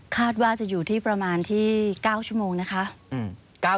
คาดว่าจะอยู่ที่ประมาณที่๙ชั่วโมงนะคะ